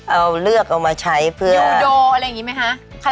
เอาเลือกเอามาใช้เพื่อยูโดอะไรอย่างนี้ไหมคะ